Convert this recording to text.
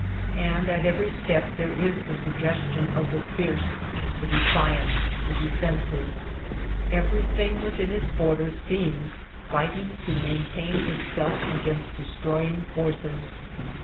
And at every step there is the suggestion of the fierce, the defiant, the defensive. Everything within its borders seems fighting to maintain itself against destroying forces.